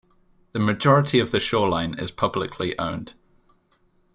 The majority of the shoreline is publicly owned.